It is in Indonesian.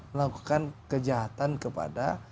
melakukan kejahatan kepada